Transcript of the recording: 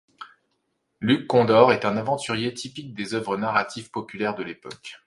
Luc Condor est un aventurier typique des œuvres narratives populaires de l'époque.